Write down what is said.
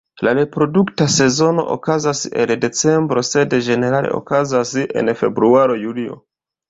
La reprodukta sezono okazas el decembro, sed ĝenerale okazas en februaro-julio.